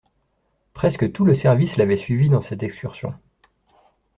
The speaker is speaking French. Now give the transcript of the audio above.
Presque tout le service l'avait suivi dans cette excursion.